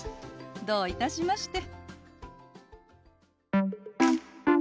どういたしまして。